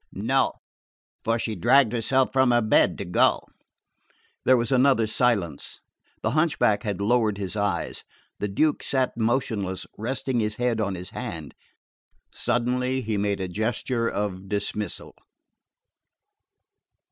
"No; for she dragged herself from her bed to go." There was another silence. The hunchback had lowered his eyes. The Duke sat motionless, resting his head on his hand. Suddenly he made a gesture of dismissal...